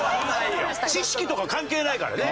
知識とか関係ないからね。